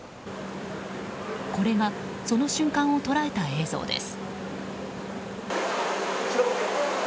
これがその瞬間を捉えた映像です。